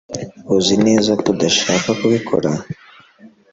Uzi neza ko udashaka kubikora?